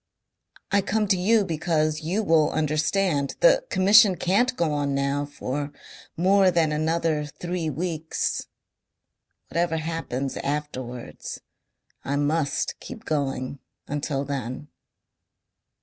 I come to you because you will understand. The Commission can't go on now for more than another three weeks. Whatever happens afterwards I must keep going until then."